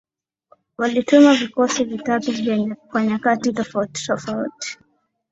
walituma vikosi vitatu kwa nyakati tofauti tofauti